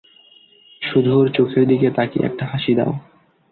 শুধু ওর চোখের দিকে তাকিয়ে একটা হাসি দাও।